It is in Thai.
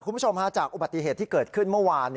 คุณผู้ชมฮาจากอุบัติเหตุที่เกิดขึ้นเมื่อวาน